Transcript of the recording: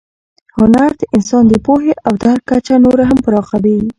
هنر د انسان د پوهې او درک کچه نوره هم پراخوي.